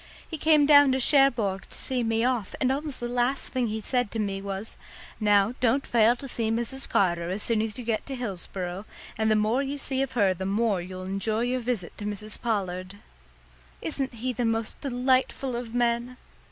He came down to Cherbourg to see me off, and almost the last thing he said to me was, 'Now, don't fail to see Mrs. Carter as soon as you get to Hillsboro; and the more you see of her the more you'll enjoy your visit to Mrs. Pollard.' Isn't he the most delightful of men?"